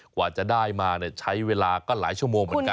กว่าจะได้มาใช้เวลาก็หลายชั่วโมงเหมือนกัน